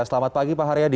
selamat pagi pak haryadi